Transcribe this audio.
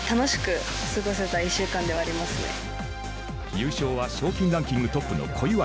優勝は賞金ランキングトップの小祝。